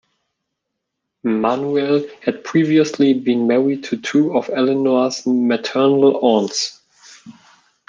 Manuel had previously been married to two of Eleanor's maternal aunts.